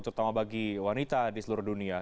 terutama bagi wanita di seluruh dunia